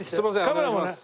カメラもね。